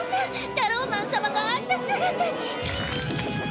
タローマン様があんな姿に！